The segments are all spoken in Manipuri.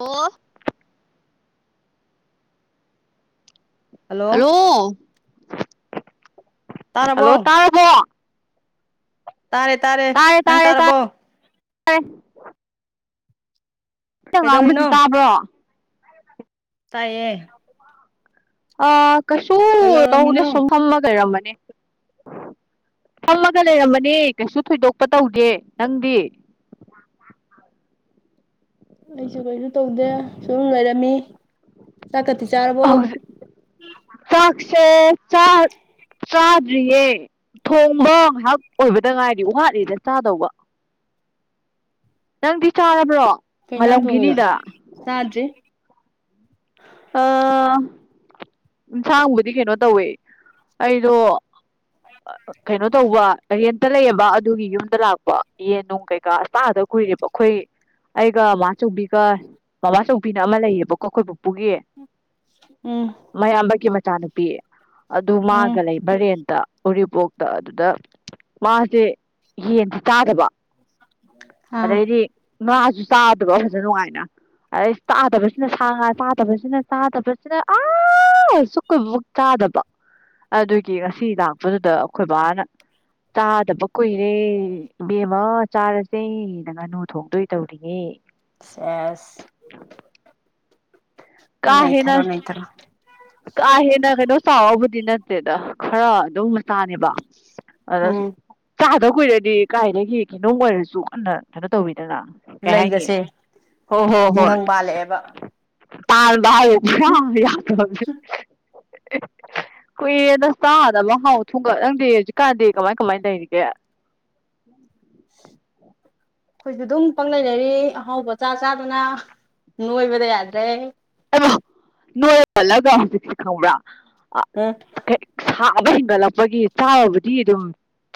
ꯑꯣ ꯍꯜꯂꯣ ꯍꯜꯂꯣ ꯇꯥꯔꯕꯣ ꯇꯥꯔꯦ ꯇꯥꯔꯦ ꯅꯪ ꯇꯥꯔꯕꯣ ꯑꯣꯏ ꯑ ꯉꯥꯡꯕꯁꯤ ꯀꯩꯗꯧꯔꯤꯅꯣ ꯇꯥꯕ꯭ꯔꯣ ꯇꯌꯦ ꯑ ꯀꯩꯁꯨ ꯇꯧꯗ ꯀꯩꯗꯧꯔꯝꯃꯤꯅꯣ ꯁꯨꯝ ꯐꯝꯃꯒꯩꯔꯝꯕꯅꯦ ꯐꯝꯃꯒ ꯂꯩꯔꯝꯃꯅꯤ ꯀꯩꯁꯨ ꯊꯣꯏꯗꯣꯛꯄ ꯇꯧꯗꯦ ꯅꯪꯗꯤ [inaudible] ꯑꯩꯁꯨ ꯀꯔꯤꯁꯨ ꯇꯧꯗꯦ ꯁꯨꯝ ꯂꯩꯔꯝꯃꯤ ꯆꯥꯛ ꯀꯇꯤ ꯆꯥꯔꯔꯕꯣ ꯆꯦ ꯆꯥꯛ ꯆꯥꯗ꯭ꯔꯤꯌꯦ ꯊꯣꯡꯕ ꯉꯥꯏꯍꯥꯛ ꯑꯣꯏꯕꯗ ꯉꯥꯏꯔꯤ ꯋꯥ ꯋꯥꯠꯂꯤꯅ ꯆꯥꯗꯧꯕ [inaudible] ꯅꯪꯗꯤ ꯆꯥꯔꯕ꯭ꯔꯣ ꯀꯩꯖꯥꯡ ꯊꯣꯡꯉꯤꯅꯣ ꯉꯜꯂꯝꯈꯤꯅꯤꯗ ꯆꯥꯗꯔꯤ ꯑꯥ ꯏꯟꯖꯥꯡꯕꯨꯗꯤ ꯀꯩꯅꯣ ꯇꯧꯋꯦ ꯑꯩꯗꯣ ꯀꯩꯅꯣ ꯇꯧꯕ ꯔꯦꯟꯇ ꯂꯩꯌꯦꯕ ꯑꯗꯨꯒꯤ ꯌꯨꯝꯗ ꯂꯥꯛꯄ ꯌꯦꯟ ꯅꯨꯡ ꯀꯩꯀꯥ ꯆꯥꯗ ꯀꯨꯏꯔꯦꯕ ꯑꯩꯈꯣꯏ ꯑꯩꯒ ꯃꯃꯥꯆꯧꯕꯤꯒ ꯃꯃꯥꯆꯧꯕꯤꯅ ꯑꯃ ꯂꯩꯌꯦꯕꯀꯣ ꯑꯩꯈꯣꯏꯕꯨ ꯄꯨꯒꯤ ꯎꯝ ꯃꯌꯥꯝꯕꯀꯤ ꯃꯆꯥꯅꯨꯄꯤ ꯑꯗꯨ ꯎꯝ ꯃꯥꯒ ꯂꯩꯕ ꯔꯦꯟꯇ ꯎꯔꯤꯄꯣꯛꯇ ꯑꯗꯨꯗ ꯃꯥꯖꯦ ꯌꯦꯟꯖꯦ ꯆꯥꯗꯕ ꯑꯥ ꯑꯗꯩꯗꯤ ꯉꯥꯁꯨ ꯆꯥꯗꯕ ꯐꯖꯅ ꯅꯨꯡꯉꯥꯏꯅ ꯑꯗꯩ ꯆꯥꯗꯕꯁꯤꯅ ꯁꯥ ꯉꯥ ꯆꯗ ꯆꯥꯗꯕꯁꯤꯅ ꯆꯥꯗꯕꯁꯤꯅ ꯑ ꯁꯨꯛ ꯀꯨꯏꯕꯁꯤꯕꯨ ꯆꯥꯗꯕ ꯑꯗꯨꯒꯤ ꯉꯁꯤ ꯂꯥꯛꯄꯗꯨꯗ ꯑꯩꯈꯣꯏ ꯕꯥꯅ ꯆꯥꯗꯕ ꯀꯨꯏꯔꯦ ꯏꯕꯦꯝꯃ ꯆꯥꯔꯖꯦ ꯅ ꯉꯥꯅꯨ ꯊꯣꯡꯗꯣꯏ ꯇꯧꯔꯤꯌꯦ ꯁꯦꯁ ꯀꯥꯍꯦꯟꯅ ꯅꯩꯊꯔꯣ ꯅꯩꯊꯔꯣ ꯀꯥꯍꯦꯟꯅ ꯀꯩꯅꯣ ꯆꯥꯎꯕꯕꯨꯗꯤ ꯅꯥꯠ ꯇꯦꯗꯥ ꯈꯔ ꯑꯗꯨꯝ ꯝꯆꯥꯅꯦꯕ ꯑꯗ ꯎꯝ ꯆꯥꯏ ꯎꯗꯥ ꯀꯨꯏꯔꯗꯤ ꯀꯥꯏꯗꯒꯤ ꯀꯩꯅꯣꯝ ꯑꯣꯏꯔꯁꯨ ꯀꯟꯅ ꯀꯩꯅꯣ ꯇꯧꯏ ꯑꯗꯨꯅ ꯀꯩ ꯍꯥꯏꯅꯤ ꯂꯩꯒꯁꯦ ꯍꯣ ꯍꯣ ꯍꯣꯏ ꯇꯤꯡꯈꯪ ꯄꯥꯜꯂꯛꯑꯦꯕ ꯑꯩꯈꯣꯏꯁꯨ [unintelligible] ꯀꯨꯏꯔꯦꯗ ꯆꯥꯗꯕ ꯑꯍꯥꯎ ꯑꯊꯨꯝꯒ ꯅꯪꯗꯤ ꯍꯧꯖꯤꯛꯀꯥꯟꯗꯤ ꯀꯃꯥꯏ ꯀꯃꯥꯏ ꯂꯩꯔꯤꯒꯦ ꯎꯝ [inaudible] ꯑꯩꯈꯣꯏꯖꯨ ꯑꯗꯨꯝ ꯄꯪꯂꯩ ꯂꯩꯔꯤ ꯑꯍꯥꯎꯕ ꯆꯥ ꯆꯥꯗꯨꯅ ꯅꯣꯏꯕꯗ ꯌꯥꯗ꯭ꯔꯦ ꯅꯣꯏ ꯄꯥꯜꯂꯒ ꯍꯧꯖꯤꯛꯁꯦ ꯈꯪꯕ꯭ꯔꯥ ꯑꯥ ꯎꯝ ꯀꯩ ꯁꯥ ꯁꯥꯕ ꯍꯦꯟꯒꯠꯂꯛꯄꯒꯤ ꯆꯥꯕꯨꯗꯤ ꯑꯗꯨꯝ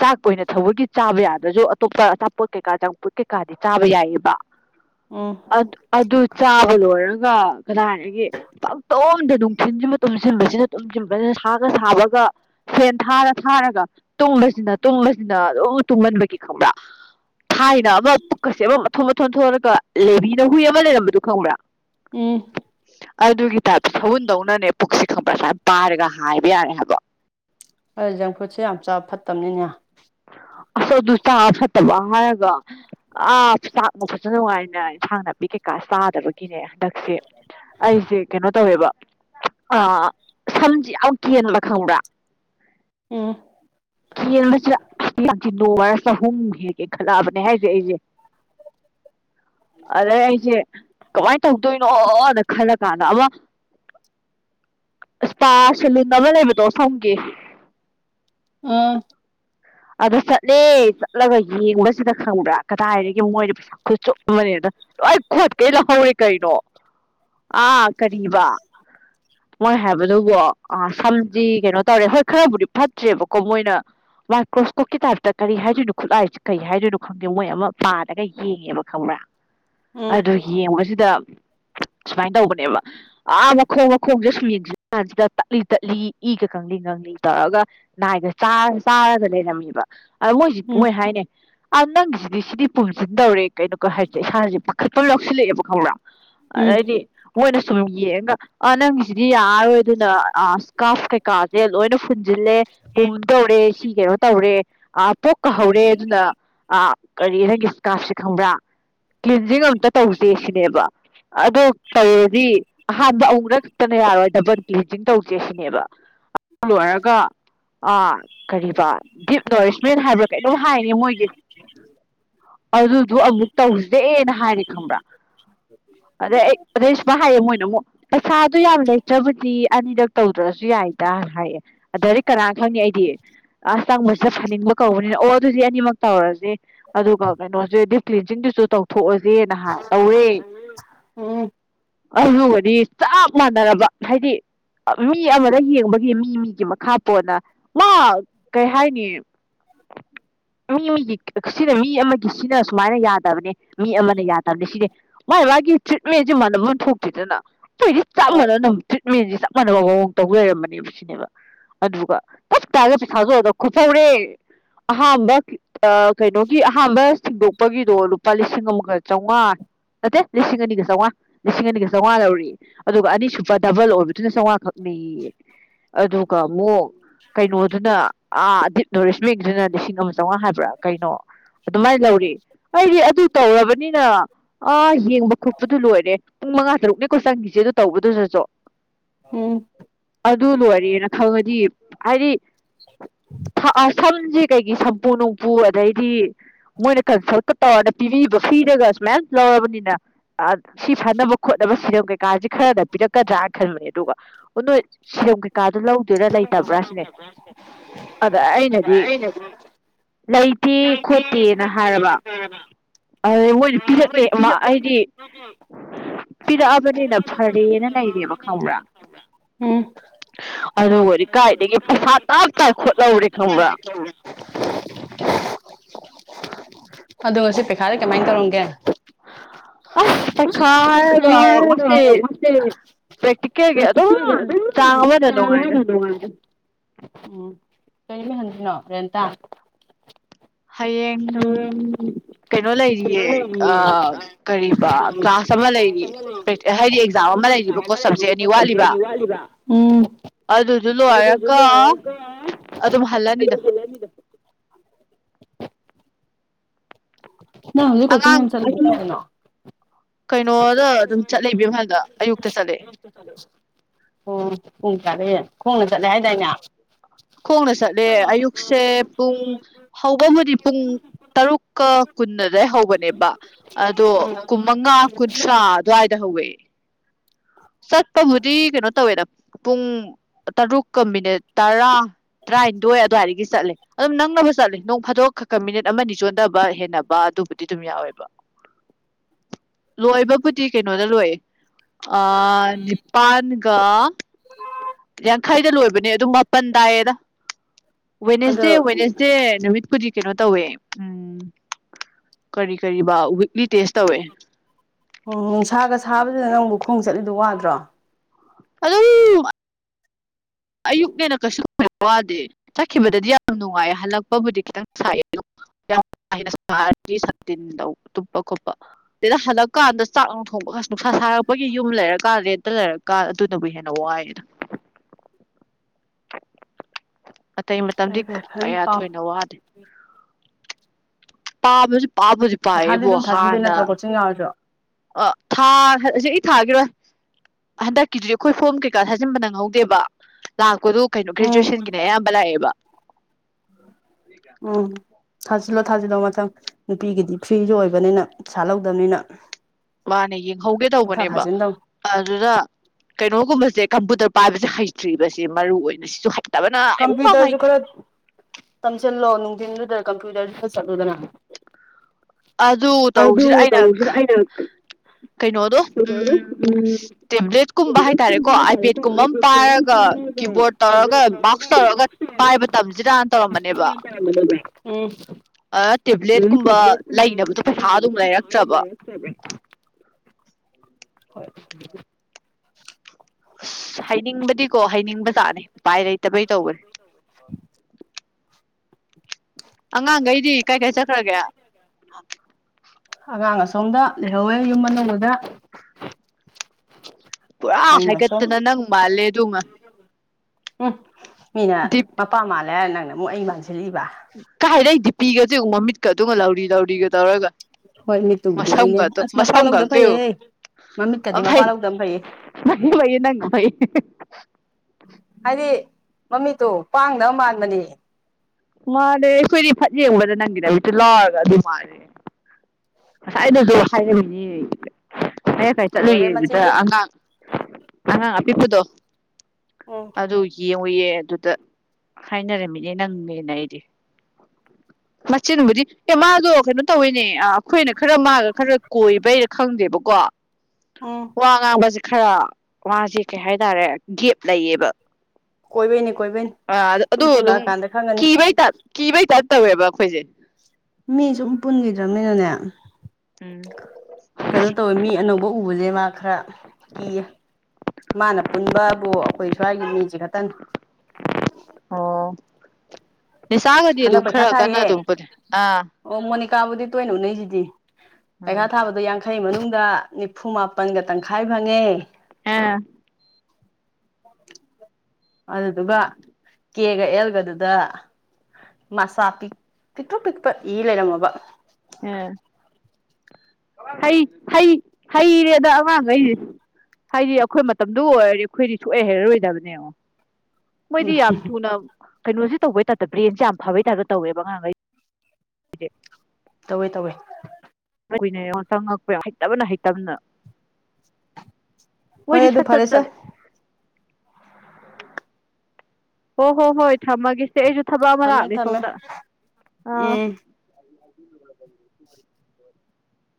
ꯆꯥꯛ ꯑꯣꯏꯅ ꯊꯥꯑꯣꯏꯀꯤ ꯆꯥꯕ ꯌꯥꯗ꯭ꯔꯁꯨ ꯑꯇꯣꯞꯄ ꯑꯆꯥꯄꯣꯠ ꯀꯩꯀꯥ ꯖꯪꯐꯨꯠ ꯀꯩꯀꯥꯗꯤ ꯆꯥꯕ ꯌꯥꯏꯌꯦꯕ ꯎꯝ ꯑꯗꯨ ꯆꯥꯕ ꯂꯣꯏꯔꯒ ꯀꯗꯥꯏꯗꯒꯤ ꯄꯪꯇꯨꯝ ꯗ ꯅꯨꯡꯊꯤꯟꯁꯤꯟꯕ ꯇꯨꯝꯁꯤꯟꯕꯁꯤꯗ ꯇꯨꯝꯁꯤꯟꯕꯁꯤꯗ ꯁꯥꯒ ꯁꯥꯕꯒ ꯐꯦꯟ ꯊꯥꯔ ꯊꯥꯔꯒ ꯇꯨꯝꯕꯁꯤꯅ ꯇꯨꯝꯕꯁꯤꯅ ꯑꯗꯨꯝ ꯇꯨꯝꯃꯟꯕꯒꯤ ꯈꯪꯕ꯭ꯔꯥ ꯊꯥꯏꯅ ꯑꯃ ꯄꯨꯛꯀꯁꯦ ꯑꯃ ꯃꯊꯣꯟ ꯃꯊꯣꯟ ꯊꯣꯜꯂꯒ ꯂꯦꯕꯤꯅ ꯍꯨꯏ ꯑꯃ ꯂꯩꯔꯝꯕꯗꯨ ꯈꯪꯕ꯭ꯔꯥ ꯎꯝ ꯑꯗꯨꯒꯤ ꯇꯥꯏꯞꯇ ꯁꯥꯎꯟꯗꯧꯅꯅꯦ ꯄꯨꯛꯁꯤ ꯈꯪꯕ꯭ꯔ ꯁꯨꯃꯥꯏ ꯄꯥꯏꯔꯒ ꯍꯥꯏꯕ ꯌꯥꯔꯦ ꯍꯥꯏꯕ ꯍꯣꯏ ꯖꯪꯐꯨꯠꯁꯦ ꯌꯥꯝꯅ ꯆꯥꯕ ꯐꯠꯇꯃꯤꯅꯦ ꯑꯁ ꯑꯗꯨ ꯆꯥꯕ ꯐꯠꯇꯕ ꯍꯥꯏꯔꯒ ꯑꯥ ꯆꯥꯛ ꯐꯖ ꯅꯨꯡꯉꯥꯏꯅ ꯏꯟꯁꯥꯡ ꯅꯥꯄꯤ ꯀꯩꯀꯥ ꯆꯥꯗꯕꯒꯤꯅꯦ ꯍꯟꯗꯛꯁꯦ ꯑꯩꯖꯦ ꯀꯩꯅꯣ ꯇꯧꯋꯦꯕ ꯑ ꯁꯝꯖꯤ ꯌꯥꯝ ꯀꯦꯟꯕ ꯈꯪꯕ꯭ꯔꯥ ꯑꯝ ꯀꯦꯟꯕꯖꯤꯗ [unintelligible] ꯋꯥꯏꯔ ꯆꯍꯨꯝ ꯍꯦꯛꯀꯦ ꯈꯜꯂꯛꯑꯕꯅꯦ ꯍꯥꯏꯖꯦ ꯑꯩꯖꯦ ꯑꯗꯩ ꯑꯩꯖꯦ ꯀꯃꯥꯏ ꯇꯧꯗꯣꯏꯅꯣꯗ ꯈꯜꯂꯀꯥꯟꯗ ꯑꯃ ꯑꯁꯄꯥ ꯁꯦꯂꯨꯟ ꯑꯃ ꯂꯩꯕꯗꯣ ꯁꯝꯒꯤ ꯑꯥ ꯑꯗ ꯆꯠꯂꯦ ꯆꯠꯂꯒ ꯌꯦꯡꯕꯖꯤꯗ ꯈꯪꯕ꯭ꯔꯥ ꯀꯗꯥꯏꯗꯒꯤ ꯃꯣꯏꯅ ꯄꯩꯁꯥ ꯈꯨꯠꯆꯨꯞ ꯑꯃꯅꯦꯗ ꯂꯣꯏ ꯀꯣꯠꯀꯩ ꯂꯧꯍꯧꯔꯦ ꯀꯩꯅꯦ ꯑꯥ ꯀꯩ ꯔꯤꯕ ꯃꯣꯏ ꯍꯥꯏꯕꯗꯨꯕꯣ ꯑꯥ ꯁꯝꯖꯤ ꯀꯩꯅꯣ ꯇꯧꯔꯦ ꯍꯣꯏ ꯈꯔꯕꯨꯗꯤ ꯐꯠꯇ꯭ꯔꯦꯕꯀꯣ ꯃꯣꯏꯅ ꯀ꯭ꯔꯣꯁꯀꯣꯛꯀꯤ ꯇꯥꯏꯞꯇ ꯀꯔꯤ ꯍꯥꯏꯗꯣꯏꯅꯣ ꯈꯨꯠꯂꯥꯏꯁꯤ ꯀꯔꯤ ꯍꯥꯏꯗꯣꯏꯅꯣ ꯈꯪꯗꯦ ꯃꯣꯏ ꯑꯃ ꯄꯥꯔꯒ ꯌꯦꯡꯉꯦꯕ ꯈꯪꯕ꯭ꯔꯥ ꯎꯝ ꯑꯗꯨ ꯌꯦꯡꯕꯖꯤꯗ [inaudible] ꯁꯨꯃꯥꯏꯅ ꯇꯧꯕꯅꯦꯕ ꯑꯥ ꯃꯈꯣꯡ ꯃꯈꯣꯡꯁꯦ ꯁꯨꯝ ꯌꯦꯡꯁꯤꯜꯂ ꯀꯥꯟꯁꯤꯗ ꯇꯠꯂꯤ ꯇꯠꯂꯤ ꯏꯒ ꯀꯪꯂꯤ ꯀꯪꯂꯤ ꯇꯧꯔꯒ ꯅꯥꯏꯅ ꯆꯥꯔꯒꯅꯦ ꯝꯕ ꯑꯗ ꯃꯣꯏꯁꯤ ꯎꯝ ꯃꯣꯏ ꯍꯥꯏꯅꯦ ꯑ ꯅꯪꯒꯤꯁꯤꯗꯤ ꯁꯤꯗꯤ ꯄꯨꯟꯁꯤꯟ ꯇꯧꯔꯦ ꯀꯩꯅꯣꯒ ꯍꯥꯏꯕꯁꯦ ꯏꯁꯥꯥꯁꯦ ꯄꯥꯈꯠꯄ ꯂꯧꯁꯤꯜꯂꯛꯑꯦꯕ ꯈꯪꯕ꯭ꯔꯥ ꯎꯝ ꯑꯗꯩꯗꯤ ꯃꯣꯏꯅ ꯁꯨꯝ ꯌꯦꯡꯒ ꯑ ꯅꯪ ꯁꯤꯁꯤꯗꯤ ꯌꯥꯔꯔꯣꯏ ꯑꯗꯨꯅ ꯏꯁꯀꯥꯔꯐ ꯀꯩꯀꯥꯁꯦ ꯂꯣꯏꯅ ꯐꯨꯟꯁꯤꯜꯂꯦ ꯄꯨꯗꯧꯔꯦꯁꯤ ꯀꯩꯅꯣ ꯇꯧꯔꯦ ꯑ ꯄꯣꯛꯀ ꯍꯧꯔꯦ ꯑꯗꯨꯅ ꯀꯔꯤ ꯅꯪꯒꯤ ꯏꯁꯀꯥꯔꯞꯁꯦ ꯈꯪꯕ꯭ꯔꯥ ꯀ꯭ꯂꯤꯟꯖꯤꯡ ꯑꯝꯇ ꯇꯧꯁꯦ ꯁꯤꯅꯦꯕ ꯑꯗꯣ ꯇꯧꯔꯗꯤ ꯑꯍꯥꯟꯕ ꯑ ꯃꯔꯛꯇꯅꯦ ꯌꯥꯔꯣꯏ ꯗꯕꯜ ꯀꯤꯇꯤꯡ ꯇꯧꯁꯦ ꯁꯤꯅꯦꯕ ꯂꯣꯏꯔꯒ ꯀꯔꯤꯕ ꯗꯤꯞ ꯅꯔꯤꯁꯃꯦꯟ ꯍꯥꯏꯕ꯭ꯔꯥ ꯀꯩꯅꯣꯝ ꯍꯥꯏꯅꯤ ꯃꯣꯏꯒꯤ ꯑꯗꯨꯗꯣ ꯑꯃꯨꯛ ꯇꯧꯁꯤꯗꯦꯅ ꯍꯥꯏꯔꯦ ꯈꯪꯕ꯭ꯔꯥ ꯑꯗꯨ ꯑꯗꯩ ꯑꯩ ꯑꯗꯩ ꯁꯨꯃ ꯍꯥꯏꯌꯦ ꯃꯣꯏꯅ ꯑꯃꯨꯛ ꯄꯩꯁꯥꯗꯣ ꯌꯥꯝ ꯂꯩꯇ꯭ꯔꯕꯗꯤ ꯑꯅꯤꯔꯛ ꯇꯧꯗ꯭ꯔꯁꯨ ꯌꯥꯏꯗ ꯍꯥꯏꯌꯦ ꯑꯗꯨꯗꯗꯤ ꯀꯅꯥꯅ ꯈꯪꯅꯤ ꯑꯩꯗꯤ ꯑꯁꯇꯥꯡꯕꯕꯁꯤꯗ ꯐꯅꯤꯡꯕ ꯀꯧꯕꯅꯤꯅ ꯑꯣ ꯑꯗꯨꯗꯤ ꯑꯅꯤꯃꯛ ꯇꯧꯔꯁꯦ ꯑꯗꯨꯒ ꯀꯩꯅꯣꯁꯨ ꯗꯤꯞ ꯀ꯭ꯂꯤꯟꯁꯤꯡꯗꯨꯁꯨ ꯇꯧꯊꯣꯛꯑꯁꯦ ꯅꯍꯥꯟ ꯇꯧꯔꯦ ꯎꯝ ꯑꯅꯒꯗꯤ ꯆꯞ ꯃꯥꯟꯅꯔꯕ ꯍꯥꯏꯗꯤ ꯃꯤ ꯑꯃꯗ ꯌꯦꯡꯕꯒꯤ ꯃꯤ ꯃꯤꯒꯤ ꯃꯈꯥ ꯄꯣꯟꯅ ꯃꯥ ꯀꯩ ꯍꯥꯏꯥꯏꯅꯤ [unintelligible] ꯃꯤ ꯃꯤꯒꯤ ꯁꯤꯅ ꯃꯤ ꯑꯃꯒꯤ ꯁꯤꯅ ꯁꯨꯃꯥꯏꯅ ꯌꯥꯗꯕꯅꯦ ꯃꯤ ꯑꯃꯅ ꯌꯥꯗꯕꯅꯦ ꯁꯤꯗꯤ ꯃꯥꯏ ꯃꯥꯥꯏ ꯒꯤ ꯇ꯭ꯔꯤꯠꯃꯦꯟꯁꯦ ꯃꯥꯟꯅꯅꯕ ꯊꯣꯛꯇꯦꯗꯅ ꯑꯩꯣꯏꯗꯤ ꯆꯞ ꯍꯣꯏ ꯃꯥꯟꯅ ꯇ꯭ꯔꯤꯠꯃꯦꯟꯁꯦ ꯆꯞ ꯃꯥꯟꯅꯕ ꯐꯋꯡ ꯇꯧꯖꯔꯝꯃꯦ ꯅꯦ ꯁꯤꯅꯦꯕ ꯑꯗꯨꯒ ꯇꯞ ꯇꯥꯔꯒꯁꯨ ꯊꯥꯖꯣꯛꯑꯗ ꯈꯨꯐꯧꯔꯦ ꯑꯍꯥꯝꯕ ꯀꯩꯅꯣꯒꯤ ꯑꯍꯥꯝꯕ ꯁꯦꯡꯗꯣꯛꯄꯒꯤꯗꯣ ꯂꯨꯄꯥ ꯂꯤꯁꯤꯡ ꯑꯃꯒ ꯆꯥꯝꯃꯉꯥ ꯅꯠꯇꯦ ꯂꯤꯁꯤꯡ ꯑꯅꯤꯒ ꯆꯥꯝꯃꯉꯥ ꯂꯤꯁꯤꯡ ꯑꯅꯤꯒ ꯆꯥꯝꯃꯉꯥ ꯂꯧꯔꯤ ꯑꯗꯨꯒ ꯑꯅꯤꯁꯨꯕ ꯗꯕꯜ ꯑꯣꯏꯕꯗꯨꯅ ꯆꯥꯝꯃꯉꯥꯈꯛ ꯂꯩꯌꯦ ꯑꯗꯨꯒ ꯑꯃꯨꯛ ꯀꯩꯅꯣ ꯑꯗꯨꯅ ꯑ ꯗꯤꯞ ꯅꯔꯤꯁ ꯃꯤꯡꯗꯨꯅ ꯂꯤꯁꯤꯡ ꯑꯃ ꯆꯥꯝꯃꯉꯥ ꯍꯥꯏꯕ꯭ꯔꯥ ꯀꯩꯅꯣ ꯑꯗꯨꯃꯥꯏꯅ ꯂꯧꯔꯤ ꯑꯩꯗꯤ ꯑꯗꯨ ꯇꯧꯔꯕꯅꯤꯅ ꯑ ꯌꯦꯡꯕ ꯈꯣꯠꯄꯗꯨ ꯂꯣꯏꯔꯦ ꯄꯨꯡ ꯃꯉꯥ ꯇꯔꯨꯛꯅꯦꯀꯣ ꯆꯪꯈꯤꯁꯦ ꯑꯗꯨ ꯇꯧꯕꯗꯨ ꯆꯠꯁꯨ ꯎꯝ ꯑꯗꯨ ꯂꯣꯏꯔꯦꯅ ꯈꯪꯉꯗꯤ ꯍꯥꯏꯗꯤ [unintelligible] ꯁꯟꯁꯦ ꯀꯩꯒꯤ ꯁꯝꯄꯨ ꯅꯣꯡꯄꯨ ꯑꯗꯩꯗꯤ ꯃꯣꯏꯅ ꯈ ꯈꯛꯇ ꯇꯧꯔꯅ ꯄꯤꯕꯤꯕ ꯐꯤꯔꯒ ꯁꯨꯃꯥꯏꯅ ꯂꯧꯔꯕꯅꯤꯅ ꯁꯤ ꯐꯥꯅꯕ ꯈꯣꯠꯅꯕ ꯁꯤꯔꯝ ꯀꯩꯀꯥꯁꯤ ꯈꯔꯅ ꯄꯤꯔꯛꯀꯗ꯭ꯔꯅ ꯈꯟꯕꯅꯦ ꯑꯗꯨꯒ ꯅꯣꯏ ꯍꯝ ꯀꯩꯀꯥꯗꯨ ꯂꯧꯗꯣꯏꯔꯥ ꯂꯩꯇꯕ꯭ꯔꯥ ꯁꯤꯅꯦ ꯑꯗ ꯑꯩꯅꯗꯤ ꯂꯩꯇꯦ ꯈꯣꯠꯇꯦꯅ ꯍꯥꯏꯔꯕ ꯑꯗꯨꯗꯩ ꯃꯣꯏꯁꯨ ꯄꯤꯊꯠꯂꯦ ꯑꯃ ꯍꯥꯏꯗꯤ ꯂꯩꯔꯦꯕ ꯈꯪꯕ꯭ꯔꯥ [unintelligible] ꯑꯗꯨꯕꯨꯗꯤ ꯀꯥꯏꯗꯒꯤ ꯄꯩꯁꯥ ꯇꯥꯛꯞ ꯇꯥꯏ ꯈꯣꯠꯍꯧꯔꯦ ꯈꯪꯕ꯭ꯔꯥ ꯑꯗꯣ ꯉꯁꯤ ꯄꯦꯈꯥꯗ ꯀꯃꯥꯏꯅ ꯇꯧꯔꯝꯒꯦ ꯁꯦ ꯑꯁ ꯄꯩꯈꯥ ꯍꯥꯏꯔꯒ ꯉꯁꯤ ꯄ꯭ꯔꯦꯛꯇꯤꯀꯦꯜꯒꯤ ꯔꯆꯒꯦ ꯑꯗꯨꯝ ꯑꯗ ꯆꯥꯡ ꯑꯃꯗ ꯅꯨꯡꯉꯥꯏꯗ ꯆꯒꯅꯗ ꯀꯔꯤꯝ ꯍꯪꯗꯣꯏꯔꯤꯅꯣ ꯔꯦꯟꯇꯥ ꯍꯌꯦꯡ ꯀꯩꯅꯣ ꯂꯩꯔꯤꯌꯦ ꯀ ꯀ꯭ꯂꯥꯁ ꯑꯃ ꯂꯩꯔꯤꯌꯦ꯭ꯔ ꯍꯥꯏꯗꯤ ꯑꯦꯛꯖꯥꯝ ꯣ ꯆꯥꯡ ꯑꯃ ꯂꯩꯔꯤꯀ ꯄꯣꯠꯁꯝꯁꯦ ꯑꯅꯤ ꯋꯥꯠꯂꯤꯕ ꯑꯗꯨꯗꯨ ꯑꯗꯁꯨ ꯂꯣꯏꯔꯒ ꯂꯨꯋꯥ ꯀꯥ ꯑꯗꯨꯝ ꯍꯜꯂꯅꯤꯗ ꯅ ꯍꯧꯖꯤꯛ ꯑꯉꯥꯡ ꯀꯣꯆꯤꯡꯦꯝꯁꯅꯣ ꯀꯩꯅꯣꯗ ꯑꯗꯨꯝ ꯆꯠꯂꯕ ꯍꯜꯗ ꯑꯌꯨꯛꯇ ꯆꯠꯂꯦ ꯑꯣ ꯄꯨꯡ ꯇꯥꯔꯦꯌꯦꯦ ꯈꯣꯡꯅ ꯆꯠꯂꯦ ꯍꯥꯏꯗꯥꯏꯅꯦ ꯈꯣꯡꯅ ꯆꯠꯂꯦ ꯑꯌꯨꯛꯁꯦ ꯄꯨꯡ ꯍꯧꯕꯕꯨꯗꯤ ꯄꯨꯡ ꯇꯔꯨꯛꯀ ꯀꯨꯟ ꯑꯗꯨꯋꯥꯏ ꯍꯧꯕꯅꯦꯕ ꯑꯗꯣ ꯀꯨꯟꯃꯉꯥ ꯀꯨꯟꯊ꯭ꯔꯥ ꯑꯗꯨꯋꯥꯏꯗ ꯍꯋꯦ [unintelligible] ꯆꯠꯄꯕꯨꯗꯤ ꯀꯩꯅꯣ ꯇꯧꯋꯦꯗ ꯄꯨꯡ ꯇꯔꯨꯛꯀ ꯃꯤꯅꯤꯠ ꯇꯔꯥ ꯇꯔꯥ ꯍꯟꯗꯣꯏ ꯑꯗꯨꯋꯥꯏꯒꯤ ꯆꯠꯂꯦ ꯑꯗꯨꯝ ꯅꯪꯅꯕ ꯆꯠꯂꯦ ꯅꯣꯡ ꯐꯥꯗꯣꯛ ꯈꯀ ꯃꯤꯅꯤꯠ ꯑꯃꯅꯤ ꯆꯣꯟꯊꯕ ꯍꯦꯟꯅꯕ ꯑꯗꯨꯕꯨꯗꯤ ꯑꯗꯨꯝ ꯌꯥꯎꯋꯦꯕ [unintelligible] ꯂꯣꯏꯕꯕꯨꯗꯤ ꯀꯩꯅꯣꯗ ꯂꯣꯏ ꯑ ꯅꯤꯄꯥꯟꯒ ꯌꯥꯡꯈꯩꯗ ꯂꯣꯏꯕꯅꯦ ꯑꯗꯨꯝ ꯃꯥꯄꯜ ꯇꯥꯏꯌꯦꯗ ꯑꯗꯣ ꯋꯦꯅꯦꯁꯗꯦ ꯋꯦꯅꯦꯁꯗꯦ ꯅꯨꯃꯤ ꯑꯩꯗꯤ ꯀꯩꯅꯣ ꯇꯧꯋꯦ ꯎꯝ ꯀꯔꯤ ꯀꯔꯤꯕꯥ ꯎꯝ ꯅꯨꯡꯁꯥꯒ ꯁꯥꯕꯗꯨꯗ ꯅꯪꯕꯨ ꯈꯣꯡ ꯆꯠꯂꯤꯗꯣ ꯋꯥꯗ꯭ꯔꯣ ꯑꯗꯣ ꯑꯌꯨꯛꯅꯦ ꯅ ꯀꯁꯨ ꯋꯥꯗꯤ ꯁꯛꯈꯤꯕꯗꯗꯤ ꯌꯥꯝ ꯅꯨꯡꯉꯥꯏ ꯍꯜꯂꯛꯄꯕꯨꯗꯤ ꯈꯤꯇꯪ ꯁꯥꯏꯑꯦ ꯑꯣ ꯌꯥꯝ ꯤꯟ ꯂꯧ ꯇꯨꯞꯄ ꯈꯣꯠꯄ ꯁꯤꯗ ꯍꯜꯂꯛꯀꯥꯟꯗ ꯆꯥꯛ ꯅꯨꯡ ꯊꯣꯡꯕ ꯅꯨꯡꯁꯥ ꯁꯥꯔꯛꯄꯒꯤ ꯌꯨꯝ ꯑꯗꯨ ꯂꯩꯔꯀꯥꯟꯗꯦꯠꯇ ꯂꯩꯔꯀꯥꯟ ꯑꯗꯨꯅꯕꯨ ꯍꯦꯟꯅ ꯋꯥꯏꯑꯦꯗ [inaudible] ꯑꯇꯩ ꯃꯇꯝꯗꯤ ꯐꯔꯦ ꯐꯔꯦ ꯐꯖꯅ ꯀꯌꯥ ꯄꯥꯎ ꯊꯣꯏꯅ ꯋꯥꯗꯦ ꯄꯥꯕꯁꯨ ꯄꯥꯕꯗꯤ ꯄꯩꯈꯥꯗꯤ ꯄꯥꯏꯕꯨ ꯑꯗꯨꯝ ꯊꯥꯖꯤꯟꯗꯣꯏ ꯍꯥꯟꯅ ꯅꯠꯇ꯭ꯔꯣ ꯀꯣꯆꯤꯡ ꯌꯥꯎꯔꯁꯨ ꯑ ꯊꯥ ꯍꯧꯖꯤꯛ ꯑꯩ ꯊꯥꯒꯤꯔ ꯍꯟꯗꯛꯀꯤꯗꯨꯗꯤ ꯑꯩꯈꯣꯏ ꯐꯣꯝ ꯀꯩꯀꯥ ꯊꯥꯖꯤꯟꯕ ꯅꯪꯍꯧꯗꯦꯕ ꯂꯥꯛꯄ ꯀꯣ ꯀꯩꯅꯣ ꯎꯝ ꯒ꯭ꯔꯦꯖꯨꯋꯦꯁꯟꯒꯤꯅꯦ ꯑꯌꯥꯝꯕ ꯂꯥꯛꯑꯦꯕ ꯍ ꯀ ꯎꯝ ꯊꯥꯖꯤꯜꯂꯣ ꯊꯥꯖꯤꯜꯂꯣ ꯃꯊꯪ ꯅꯨꯄꯤꯒꯤꯗꯤ ꯐ꯭ꯔꯤꯁꯨ ꯑꯣꯏꯕꯅꯤꯅ ꯄꯩꯁꯥ ꯂꯧꯗꯕꯅꯤꯅ ꯋꯥꯅꯦ ꯌꯦꯡꯍꯧꯒꯦ ꯄꯪꯊꯥ ꯇꯧꯕꯅꯦꯕ ꯊꯥꯖꯤꯟꯗꯧꯅꯤ ꯑꯗꯨꯗ ꯀꯩꯅꯣꯒꯨꯝꯕꯁꯦ ꯀꯝꯄꯨꯇꯔ ꯄꯥꯏꯕꯁꯦ ꯍꯩꯇ꯭ꯔꯤꯕꯁꯦ ꯃꯔꯨ ꯑꯣꯏꯅ ꯁꯤꯁꯨ ꯍꯩꯇꯕꯅ ꯑꯃꯨꯛꯐꯥꯎ ꯀꯝꯄꯌꯨꯇꯔꯁꯨ ꯍꯩꯇ꯭ꯔꯤ ꯈꯔ ꯇꯝ ꯁꯥꯜꯂꯣ ꯗ ꯀꯝꯄ꯭ꯌꯨꯇꯔ ꯆꯠꯂꯨꯗꯅ ꯑꯗꯨ ꯇꯧꯁꯤꯔ ꯑꯩꯅ ꯈꯟ ꯀꯩꯅꯣꯗꯣ ꯎꯝ ꯇꯦꯕ꯭ꯂꯦꯠꯀꯨꯝꯕ ꯍꯥꯏꯇꯥꯔꯦꯀꯣ ꯑꯥꯏꯄꯦꯗꯀꯨꯝꯕ ꯑꯃ ꯄꯥꯏꯔꯒ ꯀꯤꯕꯣꯔꯠ ꯇꯧꯔꯒ ꯃꯥꯛꯁ ꯇꯧꯔꯒ ꯄꯥꯏꯕ ꯇꯝꯁꯤꯔꯅ ꯇꯧꯔꯝꯕꯅꯦꯕ ꯎꯝ ꯑꯗꯨ ꯇꯦꯕ꯭ꯂꯦꯠꯀꯨꯝꯕ ꯂꯩꯅꯕꯗꯣ ꯄꯩꯁꯥ ꯑꯗꯨꯝ ꯂꯩꯔꯛꯇ꯭ꯔꯕ ꯍꯣꯏ ꯑꯁ ꯍꯩꯅꯤꯡꯕꯗꯤꯀꯣ ꯍꯩꯅꯤꯡꯕꯖꯥꯠꯅꯤ ꯎꯄꯥꯏ ꯂꯩꯇꯕꯩ ꯇꯧꯕꯅꯤ [inaudible] ꯑꯉꯥꯡꯈꯩꯗꯤ ꯀꯥꯏ ꯀꯥꯏ ꯆꯠꯈ꯭ꯔꯒꯦ ꯑꯉꯥꯡ ꯑꯁꯣꯝꯗ ꯂꯩꯍꯧꯋꯦ ꯌꯨꯝ ꯃꯅꯨꯡ ꯄꯨꯔꯥ ꯁꯣꯝ ꯍꯥꯏꯒꯠꯇꯅ ꯅꯪ ꯃꯥꯜꯂꯦ ꯑꯗꯨꯃꯥ ꯎꯝ ꯃꯤꯅ ꯃꯄꯥ ꯃꯥꯜꯂꯦ ꯍꯥꯏꯔ ꯅꯪꯅ ꯑꯃꯨꯛ ꯑꯩ ꯃꯥꯟꯁꯤ ꯀꯥꯏꯗꯩꯩ ꯗꯤ ꯄꯤꯒꯖꯤ ꯌꯦꯡꯉꯨ ꯃꯃꯤꯠꯀ ꯑꯗꯨꯒ ꯂꯧꯔꯤ ꯂꯧꯔꯤꯒ ꯇꯧꯔꯒ ꯍꯣꯏ ꯃꯤꯠꯇꯨꯕꯨꯗꯤ ꯑꯩꯅ ꯑꯁ ꯃꯄꯥ ꯂꯧꯗ ꯐꯩꯏꯍꯦ ꯑꯣ ꯐꯩ [unintelligible] ꯐꯩ ꯍꯥꯏꯗꯤ ꯃꯃꯤꯠꯇꯣ ꯄꯥꯡꯗꯕ ꯃꯥꯟꯕꯅꯤ ꯃꯥꯂꯦ ꯑꯩꯈꯣꯏꯗꯤ ꯐꯠ ꯌꯦꯡꯕꯗ ꯅꯪꯒꯤ ꯅꯃꯤꯠꯇꯨ ꯂꯥꯎꯔꯒ ꯑꯗꯨ ꯃꯥꯜꯂꯦ [unintelligible] [unintelligible] ꯂꯣꯏꯔꯦ ꯃꯆꯤꯟꯗꯤ ꯑꯉꯥꯡ ꯑꯉꯥꯡ ꯑꯄꯤꯛꯄꯗꯣ ꯎꯝ ꯑꯗꯨ ꯌꯦ ꯃꯏꯌꯦ ꯑꯗꯨꯗ ꯍꯥꯏꯅꯔꯝꯃꯤꯅꯦ ꯅꯪꯅꯦꯅ ꯑꯩꯗꯤ ꯃꯆꯤꯟꯕꯨꯗꯤ ꯑꯦ ꯃꯥꯗꯣ ꯀꯩꯅꯣ ꯇꯧꯋꯤꯅꯦ ꯑꯩꯈꯣꯏꯅ ꯈꯔ ꯃꯥꯥꯒ ꯈꯔ ꯀꯣꯏꯕꯩꯅ ꯈꯪꯗꯦꯕꯀꯣ ꯎꯝ ꯋꯥ ꯉꯥꯡꯕꯁꯦ ꯈꯔ ꯃꯥꯁꯦ ꯀꯩ ꯍꯥꯏ ꯇꯔꯦ ꯒꯦꯞ ꯂꯩꯌꯦꯕ ꯀꯣꯏꯕꯩꯅꯦ ꯑ ꯑꯗꯨ ꯑꯗꯨꯝ ꯀꯤꯕꯩ ꯀꯤꯕꯩ ꯇꯥꯏꯄ ꯇꯧꯋꯦꯕ ꯑꯩꯈꯣꯏꯁꯦ ꯃꯤ ꯁꯨꯝ ꯄꯨꯟꯒꯤꯗ꯭ꯔꯃꯤꯅꯅꯦ ꯎꯝ ꯀꯩꯅꯣ ꯇꯧꯋꯦ ꯃꯤ ꯑꯅꯧꯕ ꯎ ꯁ꯭ꯨꯜꯁꯦ ꯃꯥ ꯈꯔ ꯀꯤꯌꯦ ꯃꯥꯅ ꯄꯨꯟꯕꯕꯨ ꯑꯩꯈꯣꯏ ꯁ꯭ꯋꯥꯏꯒꯤ ꯃꯤꯁꯦ ꯈ ꯑꯣ ꯅꯤꯁꯥꯒꯗꯤ ꯍꯟꯗꯛ ꯑꯗꯨꯝ ꯄꯩꯈꯥ ꯈꯔ ꯀꯟꯅꯕꯨꯗꯤ ꯑꯥ ꯥꯕꯨꯗꯤ ꯇꯣꯏꯅ ꯎꯅꯩꯁꯤꯗꯤ ꯄꯩꯈꯥ ꯊꯥꯕꯗꯣ ꯌꯥ ꯃꯈꯩ ꯃꯅꯨꯡꯗ ꯅꯤꯐꯨ ꯃꯥꯄꯟꯒ ꯇꯪꯈꯥꯏ ꯐꯪꯉꯦ ꯑꯥ [unintelligible] ꯑꯗꯨꯗꯨꯒ ꯀꯦꯒ ꯑꯦꯜꯒꯗꯨꯗ ꯃꯆꯥ ꯄꯤꯛ ꯄꯤꯛꯇꯨ ꯄꯤꯛꯄ ꯏ ꯂꯩꯔꯝꯃꯕ ꯑ ꯍꯩ ꯍꯩ ꯍꯩꯔꯦꯗ ꯑꯉꯥꯡꯈꯩꯖꯤ ꯍꯥꯏꯗꯤ ꯑꯩꯈꯣꯏ ꯃꯇꯝꯗꯨ ꯑꯣꯏꯔꯗꯤ ꯑꯩꯈꯣꯏꯗꯤ ꯁꯨꯛꯍꯩ ꯍꯩꯔꯔꯣꯏꯗꯕꯅꯦ ꯌꯦꯉꯣ ꯃꯣꯏꯗꯤ ꯌꯥꯝ ꯊꯨꯅ ꯀꯩꯅꯣꯁꯦ ꯇꯧꯕꯩ ꯇꯥꯏꯞ ꯕ꯭ꯔꯦꯟꯁꯦ ꯌꯥꯝ ꯐꯕꯩ ꯇꯥꯏꯄ ꯇꯧꯋꯦꯕ ꯑꯉꯥꯡꯈꯩ [unintelligible] ꯇꯧꯏ ꯇꯧꯏ [unintelligible] ꯍꯩꯇꯕꯅ ꯍꯩꯇꯕꯅ ꯍꯣꯏ ꯃꯣꯏꯗꯤ ꯑꯗꯨ ꯁꯠ ꯁꯠ ꯐꯔꯦꯁꯦ ꯆꯠꯂꯦ ꯑꯣ ꯍꯣ ꯍꯣ ꯍꯣꯏ ꯊꯝꯃꯒꯦ ꯑꯩꯁꯨ ꯊꯕꯛ ꯑꯃ ꯊꯝꯃꯦ ꯂꯥꯛꯂꯦ ꯊꯝꯃꯦ ꯁꯣꯝꯗ ꯑꯥ ꯎꯝ